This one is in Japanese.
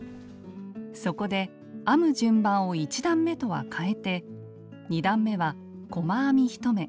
そこで編む順番を１段めとは変えて２段めは細編み１目。